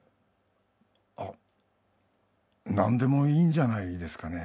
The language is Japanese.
あ何でもいいんじゃないですかね